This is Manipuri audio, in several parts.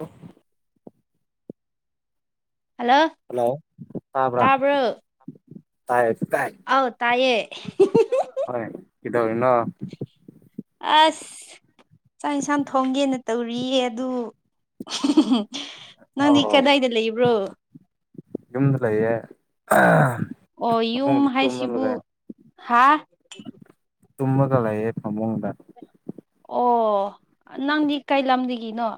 ꯑꯣ ꯍꯜꯂꯣ ꯍꯜꯂꯣ ꯇꯥꯕ꯭ꯔꯥ ꯇꯥꯕ꯭ꯔꯣ ꯇꯥꯏ ꯇꯥꯏ ꯑꯥꯎ ꯇꯥꯏꯌꯦ ꯀꯣꯗꯣꯔꯤꯅꯣ ꯑꯁ ꯆꯥꯛ ꯏꯟꯁꯥꯡ ꯊꯣꯡꯒꯦꯅ ꯇꯧꯔꯤꯌꯦ ꯑꯗꯨ ꯅꯪꯗꯤ ꯑꯧ ꯀꯗꯥꯏꯗ ꯂꯩꯕ꯭ꯔꯣ ꯌꯨꯝꯗ ꯂꯩꯌꯦ ꯑꯣ ꯑꯃꯨꯡ ꯌꯨꯝ [unintelligible] ꯍꯥꯏꯁꯤꯕꯨ ꯍꯥ ꯇꯨꯝꯃꯒ ꯂꯩꯌꯦ ꯐꯥꯃꯨꯡꯗ ꯑꯣ ꯅꯪꯗꯤ ꯀꯩ ꯂꯝꯗꯒꯤꯅꯣ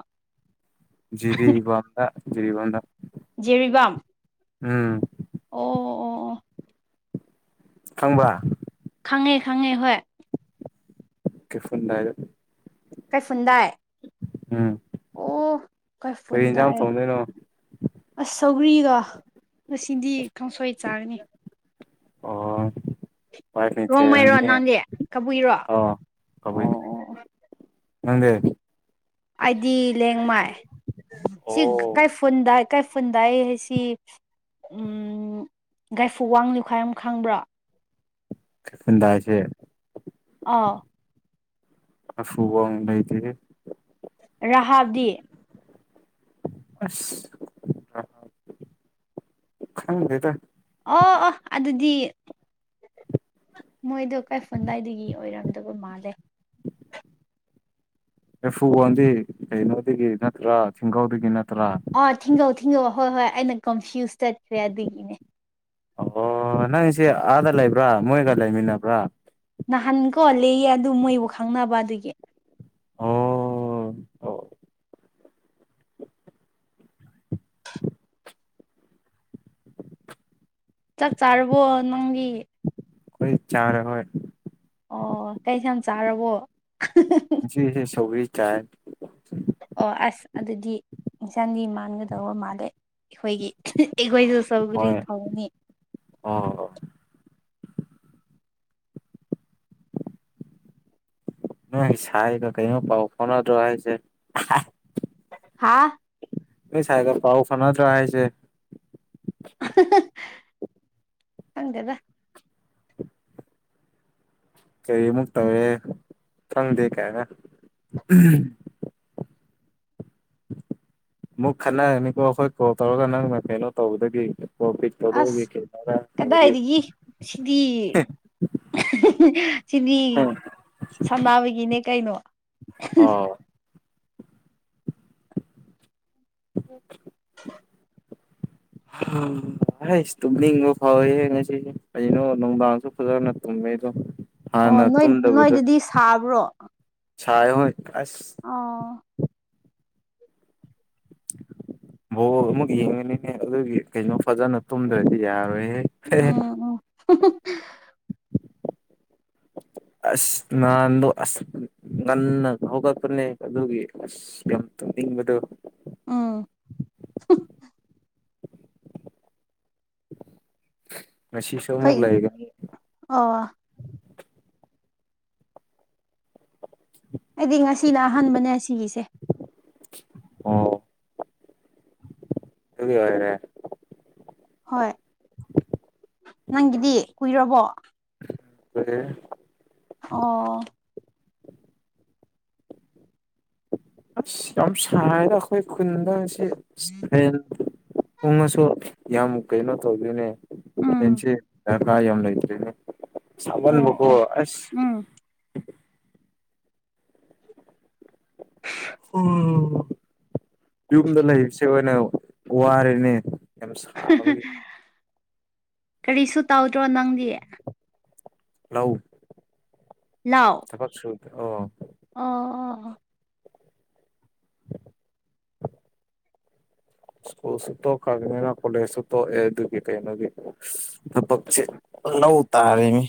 ꯖꯤꯔꯤꯕꯥꯝꯗ ꯖꯤꯔꯤꯕꯥꯝꯗ ꯖꯦꯔꯤꯕꯥꯝ ꯎꯝ ꯑꯣ ꯑꯣ ꯑꯣ ꯑꯣ ꯈꯪꯕ꯭ꯔ ꯈꯪꯉꯦ ꯈꯪꯉꯦ ꯍꯣꯏ [unintelligible] ꯀꯩ ꯐꯟꯗꯥꯢ ꯎꯝ ꯑꯣ ꯑꯣ ꯀꯩ ꯀꯔꯤ ꯌꯦꯟꯖꯥꯡ ꯐꯨꯟꯗꯥꯢ ꯑꯣ ꯊꯣꯡꯗꯣꯏꯅꯣ ꯑꯁ ꯁꯧꯒ꯭ꯔꯤꯒ ꯉꯁꯤꯗꯤ ꯀꯥꯡꯁꯣꯏ ꯆꯥꯒꯅꯤ ꯑꯣ ꯔꯣꯡꯃꯩꯔꯣ ꯅꯪꯗꯤ ꯀꯕꯨꯏꯔꯣ ꯑꯣ ꯑꯣ ꯑꯣ [unintelligible] ꯅꯪꯗꯤ ꯑꯩꯗꯤ ꯂꯦꯡꯃꯥꯏ ꯁꯤ ꯑꯣ ꯀꯩꯐꯨꯟꯗ ꯀꯩꯐꯨꯟꯗꯏ ꯍꯥꯏꯁꯤ ꯎꯝ ꯒꯥꯏꯐꯨ [unintelligible] ꯈꯪꯕ꯭ꯔꯣ ꯀꯩꯐꯨꯟꯗꯥꯏꯁꯦ ꯑꯥꯎ [unintelligible] ꯔꯍꯥꯗꯤ ꯑꯁ [unintelligible] ꯈꯪꯗꯦꯗ ꯑꯣ ꯑꯣ ꯑꯗꯨꯗꯤ ꯃꯣꯏꯗꯣ ꯀꯩꯐꯣꯟꯗꯥꯏꯗꯒꯤ ꯑꯣꯏꯔꯝꯗꯕ ꯃꯥꯜꯂꯦ ꯔꯐꯨ ꯋꯥꯟꯗꯤ ꯀꯩꯅꯣꯗꯒꯤ ꯅꯠꯇ꯭ꯔꯥ ꯊꯤꯡꯒꯥꯎꯗꯒꯤ ꯅꯠ ꯑꯥ ꯊꯤꯡꯒꯧ ꯊꯤꯡꯒꯧ ꯍꯣꯏ ꯍꯣꯏ ꯑꯩꯅ ꯀꯟꯐ꯭ꯌꯨꯁ ꯆꯠꯈ꯭ꯔꯦ ꯑꯗꯨꯒꯤꯅꯦ ꯑꯣ ꯅꯪꯁꯦ ꯑꯥꯗ ꯂꯩꯕ꯭ꯔꯥ ꯃꯣꯏꯒ ꯂꯩꯃꯤꯟꯅꯕ꯭ꯔꯥ ꯅꯍꯥꯟ ꯀꯣ ꯂꯩꯌꯦ ꯑꯗꯨ ꯃꯣꯏꯕꯨ ꯈꯪꯅꯕ ꯑꯗꯨꯒꯤ ꯑꯣ ꯆꯥꯛ ꯆꯥꯔꯕꯣ ꯅꯪꯗꯤ ꯑꯩꯈꯣꯏ ꯆꯥꯔꯔꯣꯏ ꯑꯣ ꯀꯩ ꯍꯦꯟꯖꯥꯡ ꯆꯥꯔꯕꯣ ꯉꯁꯤꯗꯤ ꯁꯧꯒ꯭ꯔꯤ ꯆꯥꯏ ꯑꯣ ꯑꯁ ꯑꯗꯨꯗꯤ ꯏꯟꯁꯥꯡꯗꯤ ꯃꯥꯟꯅꯗꯧꯕ ꯃꯥꯜꯂꯦ ꯑꯩꯈꯣꯏꯒꯤ ꯑꯍꯤ ꯑꯌꯨꯛ ꯑꯩꯈꯣꯏꯁꯨ ꯁꯧꯒ꯭ꯔꯤ ꯍꯣꯏ ꯊꯣꯡꯉꯦ ꯑꯣ ꯅꯣꯏꯒꯤ ꯁꯥꯏꯒ ꯀꯩꯅꯣ ꯄꯥꯎ ꯐꯥꯎꯅꯗ꯭ꯔꯣ ꯍꯥꯏꯁꯦ ꯑꯍꯥ ꯍꯥꯥ ꯅꯣꯏ ꯁꯥꯏꯒ ꯄꯥꯎ ꯐꯥꯎꯅꯗ꯭ꯔꯣ ꯍꯥꯏꯁꯦ ꯑꯍꯪ ꯍꯪ ꯈꯪꯗꯦꯗ ꯀꯔꯤ ꯃꯨꯛ ꯇꯧꯋꯦ ꯈꯪꯗꯦ ꯀꯥꯏꯅ ꯎꯝ ꯃꯨꯛ ꯈꯟꯅꯔꯝꯅꯤꯀꯣ ꯑꯩꯈꯣꯏ ꯀꯣꯜ ꯇꯧꯔꯒ ꯅꯪꯅ ꯀꯩꯅꯣ ꯇꯧꯕꯗꯒꯤ ꯀꯣꯜ ꯄꯤꯛ ꯑꯁ ꯇꯧꯗꯕꯒꯤ ꯀꯩꯅꯣꯔ ꯇꯧꯕꯒꯤ ꯀꯗꯥꯏꯗꯒꯤ ꯁꯤꯗꯤ ꯁꯤꯗꯤ ꯁꯥꯟꯅꯕꯒꯤꯅꯦ ꯀꯩꯅꯣ ꯑꯣ [inaudible] ꯎꯝ ꯍꯩꯁ ꯇꯨꯝꯅꯤꯡꯕ ꯐꯥꯎꯋꯦꯍꯦ ꯉꯁꯤꯗꯤ ꯀꯩꯅꯣ ꯅꯨꯡꯗꯥꯡꯁꯨ ꯐꯖꯅ ꯇꯨꯝꯃꯤ ꯑꯩꯗꯣ ꯑꯣ ꯅꯣꯏ ꯅꯣꯏꯗꯗꯤ ꯁꯥꯕ꯭ꯔꯣ ꯁꯥꯏꯌꯦ ꯍꯣꯏ ꯑꯁ ꯑꯥ ꯕꯣꯜ ꯑꯃꯨꯛ ꯌꯦꯡꯉꯅꯤꯅꯦ ꯑꯗꯨꯒꯤ ꯀꯩꯅꯣ ꯐꯖꯅ ꯇꯨꯝꯗ꯭ꯔꯗꯤ ꯌꯥꯔꯣꯏꯍꯦ ꯎꯜ ꯎꯝ ꯍꯨꯝꯍꯨꯝ ꯑꯁ ꯅꯍꯥꯟꯗꯨ ꯑꯁ ꯉꯟꯅ ꯍꯧꯒꯠꯄꯅꯦ ꯑꯗꯨꯒꯤ ꯑꯁ ꯌꯥꯝ ꯇꯨꯝꯅꯤꯡꯕꯗꯨ ꯎꯝ ꯉꯁꯤꯁꯨ ꯑꯃꯨꯛ ꯀꯩ ꯂꯩꯔꯦ ꯑꯣ ꯑꯩꯗꯤ ꯉꯁꯤꯅ ꯑꯍꯥꯟꯕꯅꯦ ꯁꯤꯒꯤꯁꯦ ꯑꯣ ꯑꯗꯨꯒꯤ ꯑꯣꯏꯔꯦ ꯍꯣꯏ ꯅꯪꯒꯤꯗꯤ ꯀꯨꯏꯔꯕꯣ ꯀꯨꯏꯔꯦ ꯑꯣ ꯑꯁ ꯌꯥꯝ ꯁꯥꯏꯌꯦꯗ ꯑꯩꯈꯣꯏ ꯈꯨꯟꯗꯁꯤ ꯐꯦꯟ ꯎꯪꯉꯁꯨ ꯌꯥꯝ ꯀꯩꯅꯣ ꯇꯧꯗꯦꯅꯦ ꯐꯦꯟ ꯎꯝ ꯁꯦ ꯗ꯭ꯔꯀꯥꯔ ꯌꯥꯝ ꯂꯩꯇ꯭ꯔꯦꯅꯦ ꯑꯣ ꯁꯥꯃꯟꯕꯀꯣ ꯑꯣ ꯑꯁ ꯎꯝ ꯍ꯭ꯋꯥ ꯌꯨꯝꯗ ꯂꯩꯕꯁꯦ ꯑꯣꯏꯅ ꯋꯥꯔꯦꯅꯦ ꯌꯥꯝ ꯁꯥꯕꯒꯤ ꯀꯔꯤꯁꯨ ꯇꯧꯗ꯭ꯔꯣ ꯅꯪꯗꯤ ꯂꯧ ꯊꯕꯛ ꯁꯨꯏ ꯑꯣ ꯑꯥ ꯑꯥ ꯑꯥ ꯁ꯭ꯀꯨꯜ ꯁꯨ ꯇꯣꯛꯈ꯭ꯔꯕꯅꯤꯅ ꯀꯣꯂꯦꯖꯁꯧ ꯇꯣꯛꯑꯦ ꯑꯗꯨꯒꯤ ꯀꯩꯅꯩꯒꯤ ꯊꯕꯛꯁꯦ ꯂꯧ ꯇꯥꯔꯦꯃꯤ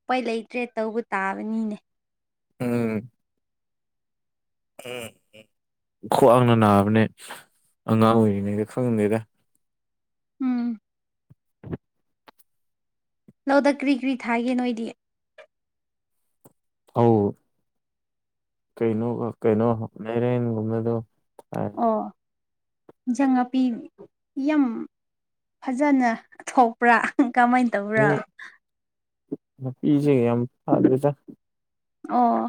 ꯎꯄꯏ ꯂꯩꯇ꯭ꯔꯦ ꯇꯧꯕ ꯇꯥꯕꯅꯤꯅꯦ ꯎꯝ ꯍꯝ ꯈ꯭ꯋꯥꯡꯅ ꯅꯥꯕꯅꯦ ꯑꯉꯥꯡ ꯑꯣꯏꯔꯤꯉꯩꯗ ꯈꯪꯗꯦꯗ ꯎꯝ ꯂꯧꯗ ꯀ꯭ꯔꯤ ꯀ꯭ꯔꯤ ꯊꯥꯒꯦ ꯅꯣꯏꯗꯤ ꯑꯧ ꯀꯩꯅꯣ ꯀꯩꯅꯣ ꯃꯩꯔꯦꯟꯒꯨꯝꯕꯗꯣ ꯑꯣ ꯏꯟꯖꯥꯡ ꯅꯥꯄꯤ ꯌꯥꯝ ꯐꯖꯅ ꯊꯣꯛꯄ꯭ꯔꯥ ꯀꯃꯥꯏꯟ ꯇꯧꯕ꯭ꯔꯥ ꯏꯖꯦꯡ ꯌꯥꯝ ꯐꯗꯦꯗ ꯑꯣ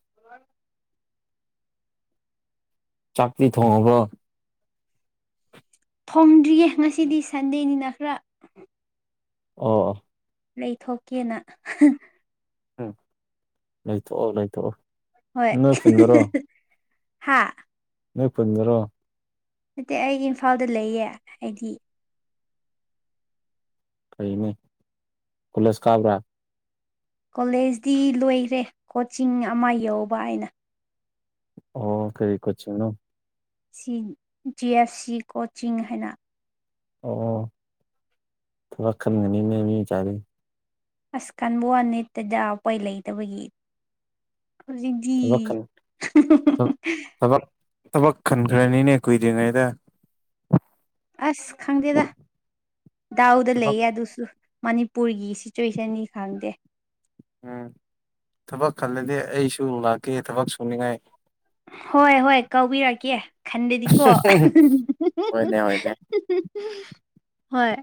[inaudible] ꯆꯥꯛꯇꯤ ꯊꯣꯡꯉꯕꯣ ꯊꯣꯡꯗ꯭ꯔꯤꯌꯦ ꯉꯁꯤꯗꯤ ꯁꯟꯗꯦꯅꯤꯅ ꯈꯔ ꯑꯣ ꯑꯣ ꯂꯩꯊꯣꯛꯀꯦꯅ ꯍꯥ ꯎꯝ ꯂꯩꯊꯣꯛꯑꯣ ꯂꯩꯊꯣꯛꯑꯣ ꯍꯣꯏ ꯅꯣꯏ ꯈꯨꯟꯗꯔꯣ ꯍꯥꯥ ꯅꯣꯏ ꯄꯟꯗ꯭ꯔꯣ ꯅꯠꯇꯦ ꯑꯩ ꯏꯝꯐꯥꯜꯗ ꯂꯩꯌꯦ ꯑꯩꯗꯤ ꯀꯩ ꯃꯩ ꯀꯣꯂꯦꯁ ꯀꯥꯕ꯭ꯔꯥ ꯀꯣꯂꯦꯖꯇꯤ ꯂꯣꯏꯈ꯭ꯔꯦ ꯀꯣꯆꯤꯡ ꯑꯃ ꯌꯧꯕ ꯑꯩꯅ ꯑꯣ ꯀꯔꯤ ꯀꯣꯆꯤꯡꯅꯣ C G F C coaching ꯍꯥꯏꯅ ꯑꯣ ꯊꯕꯛ ꯈꯟꯒꯅꯤꯅꯦ ꯃꯤ ꯃꯆꯥꯗꯤ ꯑꯁꯀꯥꯟꯕ ꯋꯅꯤꯠꯇꯗ ꯎꯄꯥꯏ ꯂꯩꯇꯕꯒꯤ ꯍꯧꯖꯤꯛꯗꯤ ꯊꯕꯛ ꯈꯟ ꯊꯕꯛ ꯊꯕꯛ ꯈꯦꯟꯈ꯭ꯔꯅꯤꯅꯦ ꯀꯨꯏꯗ꯭ꯔꯤꯉꯩꯗ ꯑꯁ ꯈꯪꯗꯦꯗ ꯗꯥꯎꯗ ꯊꯕꯛ ꯂꯩꯌꯦ ꯑꯗꯨꯁꯨ ꯃꯅꯤꯄꯨꯔꯒꯤ ꯁꯤꯆꯨꯋꯦꯁꯟꯅꯤ ꯈꯪꯗꯦ ꯎꯝ ꯊꯕꯛ ꯈꯥꯜꯂꯗꯤ ꯑꯩꯁꯨ ꯂꯥꯛꯀꯦ ꯊꯕꯛ ꯁꯨꯅꯤꯡꯉꯥꯏ ꯍꯣꯏ ꯍꯣꯏ ꯀꯧꯕꯤꯔꯛꯀꯦ ꯈꯥꯟꯗꯗꯤꯀꯣ ꯍꯣꯏꯅꯦ ꯍꯣꯏꯅꯦ ꯍꯣꯏ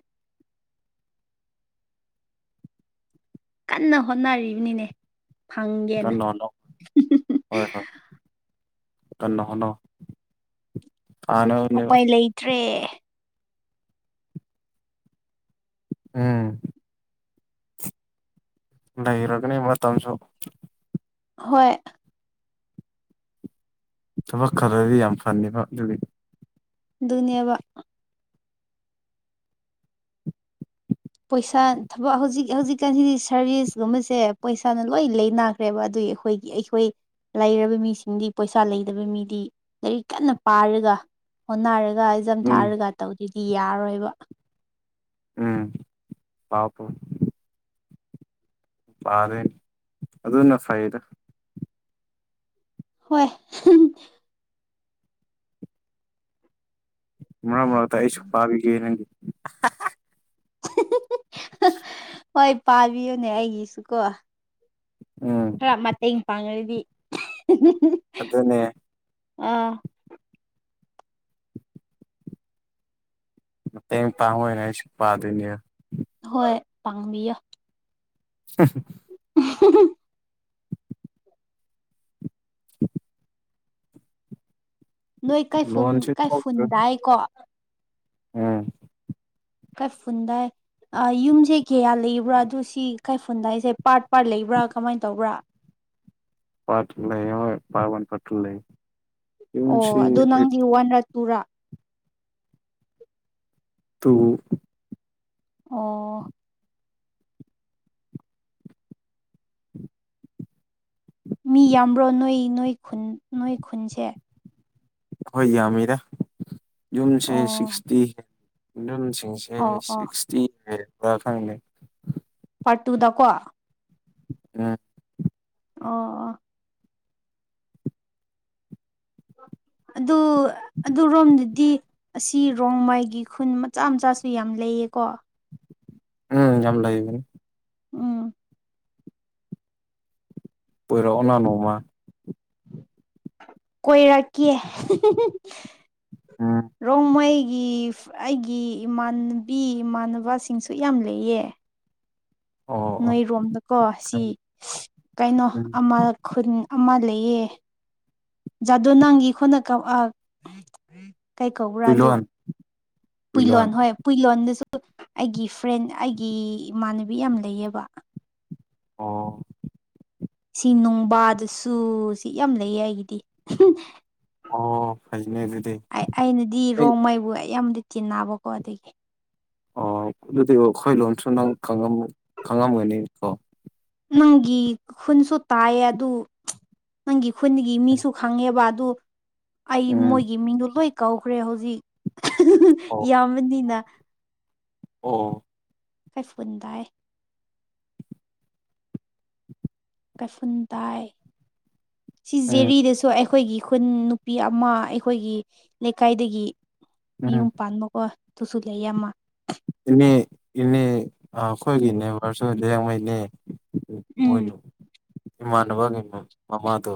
ꯀꯥꯟꯅ ꯍꯣꯠꯅꯔꯤꯕꯅꯤꯅꯦ ꯐꯪꯒꯦꯅ ꯀꯟꯅ ꯍꯣꯠꯅꯧ ꯀꯥꯟꯅ ꯍꯣꯠꯅꯧ ꯐꯥꯅꯕꯅꯦꯕ ꯎꯄꯥꯏ ꯂꯩꯇ꯭ꯔꯦ ꯑꯝ ꯂꯩꯔꯒꯅꯤ ꯃꯇꯝꯁꯨ ꯍꯣꯏ ꯊꯕꯛ ꯈꯥꯜꯂꯗꯤ ꯌꯥꯝ ꯐꯅꯤꯕ ꯑꯗꯨꯒꯤ ꯗꯨꯅꯦꯕ ꯄꯩꯁꯥ ꯊꯕꯛ ꯍꯧꯖꯤꯛ ꯍꯧꯖꯤꯛꯀꯥꯟꯁꯤꯗꯤ ꯁꯔꯚꯤꯁꯒꯨꯝꯕꯁꯦ ꯄꯩꯁꯥꯅ ꯂꯣꯏ ꯂꯩ ꯈ꯭ꯔꯦꯕ ꯑꯗꯨꯒꯤ ꯑꯩꯈꯣꯏꯒꯤ ꯑꯩꯈꯣꯏ ꯂꯩꯔꯕ ꯃꯤꯁꯤꯡꯗꯤ ꯄꯩꯁꯥ ꯂꯩꯗꯕ ꯃꯤꯗꯤ ꯂꯥꯏꯔꯤꯛ ꯀꯥꯟꯅ ꯄꯥꯔꯒ ꯍꯣꯠꯅꯔ ꯑꯦꯖꯝ ꯎꯝ ꯊꯥꯔꯒ ꯇꯧꯗ꯭ꯔꯗꯤ ꯌꯥꯔꯣꯏꯕ ꯎꯝ ꯄꯥꯎ ꯄꯥꯎ ꯄꯥꯔꯦ ꯑꯗꯨꯅ ꯐꯩꯗ ꯍꯣꯏ ꯃꯔꯛ ꯃꯔꯛꯇ ꯑꯩꯁꯨꯨꯝ ꯄꯥꯕꯤꯒꯦ ꯅꯪꯒꯤ ꯍꯣꯏ ꯄꯥꯕꯤꯌꯨꯅꯦ ꯑꯩꯒꯤꯁꯨꯀꯣ ꯎꯝ ꯈꯔ ꯃꯇꯦꯡ ꯄꯥꯡꯉꯒꯗꯤ ꯑꯗꯨ ꯑꯗꯨꯅꯦ ꯑꯣ ꯃꯇꯦꯡ ꯄꯥꯡ ꯑꯣꯏꯅ ꯑꯩꯁꯨ ꯄꯥꯗꯣꯏꯅꯦ ꯍꯣꯏ ꯄꯥꯡꯕꯤꯌꯣ ꯍꯥ [unintelligible] ꯅꯣꯏ ꯀꯩꯐꯨꯟ ꯂꯣꯟꯁꯨ ꯊꯣꯛꯇ꯭ꯔꯦ ꯀꯩꯐꯨꯟꯗꯥꯏꯀꯣ ꯎꯝ ꯀꯩ ꯐꯨꯟꯗꯥꯏ ꯌꯨꯝꯁꯦ ꯀꯌꯥ ꯂꯩꯕ꯭ꯔꯥ ꯑꯗꯨ ꯁꯤ ꯀꯥꯏꯐꯨꯟꯗꯥꯏꯁꯦ ꯄꯥꯔꯠ ꯄꯥꯔꯠ ꯂꯩꯕ꯭ꯔꯥ ꯀꯃꯥꯏꯅ ꯇꯧꯕ꯭ꯔꯥ ꯄꯠꯇ ꯂꯩ ꯄꯥꯕꯟ ꯄꯠꯇ ꯂꯩ ꯑꯣ ꯌꯨꯝꯁꯤ ꯑꯗꯨ ꯅꯪꯗꯤ ꯋꯥꯟꯔꯥ ꯇꯨꯔꯥ ꯇꯨ ꯑꯣ [inaudible] ꯃꯤ ꯌꯥꯝꯕ꯭ꯔꯣ ꯅꯣꯏ ꯅꯣꯏ ꯅꯣꯏ ꯈꯨꯟꯁꯦ ꯍꯣꯏ ꯌꯥꯝꯃꯤ ꯌꯨꯝꯁꯦ ꯑꯣ ꯁꯤꯛꯁꯇꯤ ꯁ ꯑꯣ ꯑꯣ ꯁꯤꯛꯁꯇꯤ ꯍꯦꯟꯕ꯭ꯔ ꯈꯪꯗꯦ ꯄꯥꯔꯠ ꯇꯨꯗꯀꯣ ꯎꯝ ꯑꯣ ꯑꯣ ꯑꯗꯨ ꯑꯗꯨꯔꯣꯝꯗꯗꯤ ꯑꯁꯤ ꯔꯣꯡꯃꯩꯒꯤ ꯈꯨꯟ ꯃꯆꯥ ꯃꯆꯥꯁꯨ ꯌꯥꯝ ꯂꯩꯌꯦꯀꯣ ꯎꯝ ꯌꯥꯝ ꯂꯩꯕꯅꯤ ꯎꯝ ꯄꯣꯏꯔꯣꯅ ꯅꯣꯡꯃ ꯀꯣꯏꯔꯛꯀꯦ ꯎꯝ ꯔꯣꯡꯃꯩ ꯑꯩꯒꯤ ꯑꯩꯒꯤ ꯏꯃꯥꯟꯅꯕꯤ ꯏꯃꯥꯟꯅꯕꯁꯤꯡꯁꯨ ꯌꯥꯝ ꯂꯩꯌꯦ ꯑꯣ ꯑꯣ ꯅꯣꯏꯔꯣꯝꯗꯀꯣ ꯁꯤ ꯀꯩꯅꯣ ꯎꯝ ꯑꯃ ꯈꯨꯟ ꯑꯃ ꯂꯩ ꯂꯩꯌꯦ ꯖꯥꯗꯣꯅꯥꯡꯒꯤ ꯈꯨꯟꯅ ꯀꯛꯑ ꯀꯩ ꯀꯧꯕ꯭ꯔꯥ ꯑꯗꯣ ꯍꯨꯏꯂꯣꯟ ꯍꯨꯏꯂꯣꯟ ꯄꯨꯏꯂꯣꯟ ꯍꯣꯏ ꯄꯨꯏꯂꯣꯟ ꯑꯗꯨ ꯑꯩꯒꯤ ꯐ꯭ꯔꯦꯟ ꯑꯩꯒꯤ ꯏꯃꯥꯟꯅꯕꯤ ꯌꯥꯝ ꯂꯩꯌꯦꯕ ꯑꯣ ꯁꯤ ꯅꯅꯨꯡꯕꯥꯗꯁꯨ ꯁꯤ ꯌꯥꯝ ꯂꯩꯌꯦ ꯑꯩꯒꯤꯗꯤ ꯑꯣ ꯐꯩꯅꯦ ꯑꯗꯨꯗꯤ ꯑꯩꯅꯗꯤ ꯑꯩ ꯔꯣꯡꯃꯩꯕꯨ ꯑꯩ ꯌꯥꯝꯗꯤ ꯇꯟꯅꯕꯀꯣ ꯑꯗꯒꯤ ꯑꯣ ꯑꯗꯨꯗꯤ ꯑꯩꯈꯣꯏ ꯂꯣꯟꯝꯁꯨ ꯅꯪ ꯈꯪꯉꯝ ꯈꯪꯉꯝꯒꯅꯤ ꯀꯣ ꯅꯪꯒꯤ ꯈꯨꯟꯁꯨ ꯇꯥꯏꯌꯦ ꯑꯗꯨ ꯅꯪꯒꯤ ꯈꯨꯟꯒꯤ ꯃꯤꯁꯨ ꯈꯪꯉꯦꯕ ꯑꯗꯨ ꯑꯩ ꯎꯝ ꯃꯣꯏꯒꯤ ꯃꯤꯡꯗꯣ ꯂꯣꯏ ꯀꯧꯈ꯭ꯔꯦ ꯍꯧꯖꯤꯛ ꯑꯣ ꯌꯥꯝꯕꯅꯤꯅ ꯑꯣ ꯀꯩꯐꯨꯟꯗꯥꯏ ꯀꯩꯐꯨꯟꯇꯥꯏ ꯁꯤ ꯎꯝ ꯖꯤꯔꯤꯗꯁꯨ ꯑꯩꯈꯣꯏꯒꯤ ꯈꯨꯟ ꯅꯨꯄꯤ ꯑꯃ ꯑꯩꯈꯣꯏꯒꯤ ꯂꯩꯀꯥꯏꯗꯒꯤ ꯃꯌꯨꯝ ꯎꯝ ꯄꯥꯟꯕꯀꯣ ꯑꯗꯨꯨꯁꯨ ꯂꯩꯌꯦ ꯑꯃ ꯏꯅꯦ ꯏꯅꯦ ꯑꯈꯣꯏꯒꯤꯅꯦ ꯃꯔꯔꯁꯨ ꯂꯩꯉꯣꯏꯅꯦ ꯎꯝ ꯏꯃꯥꯟꯅꯕꯒꯤ ꯃꯃꯥꯗꯣ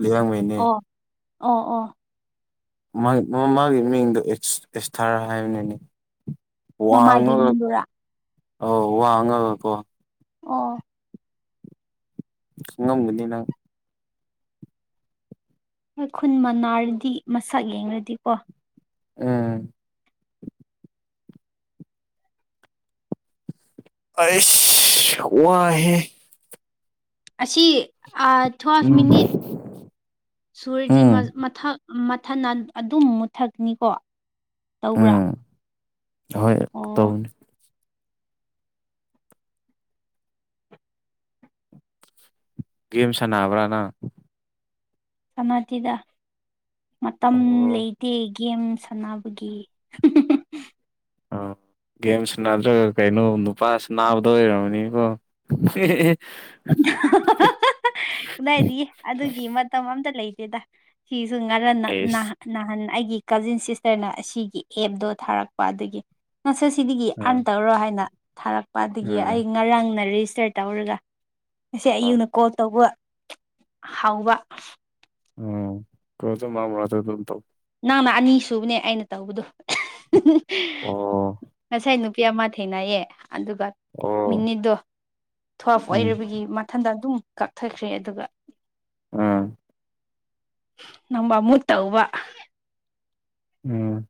ꯂꯩꯌꯥꯡꯉꯩꯅꯤ ꯑꯣ ꯑꯣ ꯑꯣ ꯃꯥꯒꯤ ꯃꯤꯡꯗꯣ ꯑꯦꯁꯊꯥꯔ ꯍꯥꯏꯕꯅꯤꯅꯤ ꯃꯃꯥꯏꯒꯤ ꯃꯤꯡꯗꯨꯔꯥ ꯑꯣ ꯋꯥꯡꯉꯒꯀꯣ ꯑꯣ ꯈꯡꯉꯝꯒꯅꯤ ꯅꯪ ꯑꯩ ꯈꯨꯟ ꯃꯅꯥꯔꯗꯤ ꯃꯁꯛ ꯌꯦꯡꯂꯡꯗꯤꯀꯣ ꯑꯝ ꯑꯩꯁ ꯋꯥꯢ ꯍꯦ ꯑꯁꯤ ꯊꯐ ꯎꯝ ꯃꯤꯅꯤꯠ ꯁꯨꯔꯗꯤ ꯎꯝ ꯃꯊꯛ ꯃꯊꯟ ꯑꯗꯨꯝ ꯃꯨꯠꯊꯠꯅꯤꯀꯣ ꯇꯧꯕ꯭ꯔꯥ ꯎꯝ ꯍꯣꯏ ꯑꯣ ꯇꯧꯕꯅꯤ ꯒꯦꯝ ꯁꯥꯟꯅꯕ꯭ꯔꯥ ꯅꯪ ꯁꯥꯟꯅꯁꯤꯗ ꯃꯇꯝ ꯑꯣ ꯂꯩꯇꯦ ꯒꯦꯝꯁ ꯁꯥꯟꯅꯕꯒꯤ ꯑꯥ ꯒꯦꯝꯁꯨ ꯗ꯭ꯔꯒ ꯀꯩꯅꯣ ꯅꯨꯄꯥ ꯁ꯭ꯅꯥꯕꯗ ꯑꯣꯏꯔꯝꯃꯅꯤꯀꯣ ꯀꯗꯥꯏꯗꯤ ꯑꯗꯨꯒꯤ ꯃꯇꯝ ꯑꯇ ꯂꯩꯇꯦꯗ ꯁꯤ ꯉꯔ ꯅ ꯅ ꯑꯩꯁ ꯅꯍꯥꯟ ꯑꯩꯒꯤ ꯀꯖꯤꯟ ꯁꯤꯁꯇꯔꯅ ꯑꯁꯤꯒꯤ ꯑꯦꯞꯗꯣ ꯊꯥꯔꯛꯄ ꯑꯗꯒꯤ ꯉꯁ ꯁꯤꯗꯒꯤ ꯑꯟ ꯑꯥ ꯇꯧꯔꯣ ꯍꯥꯏꯅ ꯊꯥꯔꯛꯄꯗꯒꯤ ꯑꯥ ꯑꯩ ꯉꯔꯥꯡꯅ ꯔꯦꯖꯤꯁꯇꯔ ꯇꯧꯔꯒ ꯉꯁꯤ ꯑꯥ ꯑꯌꯨꯛꯅ ꯀꯣꯜ ꯇꯧꯕ ꯍꯧꯎꯕ ꯑ ꯀꯣꯁꯨ ꯃꯥꯃ ꯇ ꯑꯗꯨ ꯇ ꯅꯅꯥꯃ ꯑꯅꯤ ꯁꯨꯕꯅꯦ ꯑꯩꯅ ꯇꯧꯕꯗꯣ ꯑꯣ ꯉꯁꯥꯏ ꯅꯨꯞ ꯄꯤꯑꯃ ꯊꯦꯡꯅꯩꯌꯦ ꯑꯗꯨꯒ ꯑꯣ ꯃꯤꯅꯤꯗꯣ ꯊꯦꯜꯐ ꯎꯝ ꯑꯣꯏꯔꯕꯒꯤ ꯃꯊꯟꯗ ꯑꯗꯨꯝ ꯀꯛꯊꯈ꯭ꯔꯦ ꯑꯗꯨꯒ ꯑꯝ ꯅꯝꯕ ꯃꯨ ꯇꯥꯎꯕ ꯎꯝ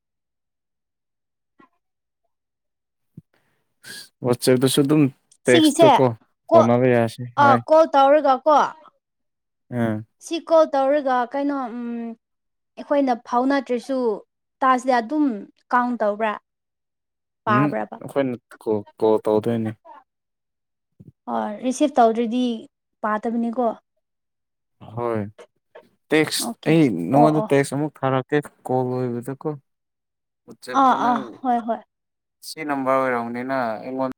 ꯋꯆꯦꯗ ꯁꯨ ꯑꯗꯨꯝ ꯇꯦꯛꯁꯇꯣ ꯁꯤꯒꯤꯁꯦ ꯀꯣ ꯀꯣ ꯐꯥꯎꯅꯕ ꯌꯥꯁꯦ ꯑꯥ ꯍꯣꯏ ꯀꯣꯜ ꯇꯧꯔꯒꯀꯣ ꯎꯝ ꯀꯣꯜ ꯇꯧꯔꯒ ꯀꯩꯅꯣ ꯑꯩꯈꯣꯏꯅ ꯐꯥꯎꯅꯗ꯭ꯔꯁꯨ ꯇꯥꯁꯤꯗ ꯑꯗꯨꯝ ꯀꯥꯎꯟ ꯇꯧꯕ꯭ꯔꯥ ꯎꯝ ꯄꯥꯕ꯭ꯔꯕ ꯑꯩꯈꯣꯏꯅ ꯀꯣꯜ ꯇꯧꯗꯣꯏꯅꯦ ꯑꯣ ꯔꯤꯁꯤꯞ ꯇꯧꯗ꯭ꯔꯗꯤ ꯄꯥꯗꯕꯅꯤꯀꯣ ꯍꯣꯏ ꯇꯦꯛꯁ ꯑꯣꯀꯦ ꯑꯩ ꯑꯣ ꯅꯉꯣꯟꯗ ꯑꯣ ꯇꯦꯛꯁ ꯑꯃꯨꯛ ꯊꯥꯔꯛ ꯀꯦ ꯀꯣꯜ ꯂꯣꯏꯕ ꯇ ꯀꯣ ꯑꯥ ꯑꯥ ꯍꯣꯏ ꯍꯣꯏ ꯁꯤ ꯅꯝꯕꯔ ꯑꯣꯏꯔꯝꯅꯤꯅ ꯑꯩꯉꯣꯟꯗ